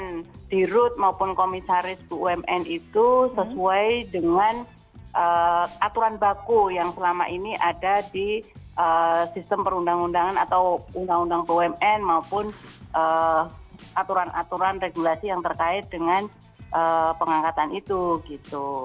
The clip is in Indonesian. jadi itu bisa jadi yang diberikan oleh direksi dan komisaris bumn itu sesuai dengan aturan baku yang selama ini ada di sistem perundang undangan atau undang undang bumn maupun aturan aturan regulasi yang terkait dengan pengangkatan itu gitu